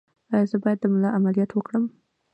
ایا زه باید د ملا عملیات وکړم؟